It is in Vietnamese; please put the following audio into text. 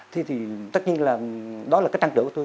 thì tất nhiên là đó là cái trăng trở của tôi